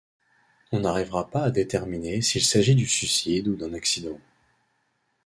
On n'arrivera pas à déterminer s'il s'agit du suicide ou d'un accident.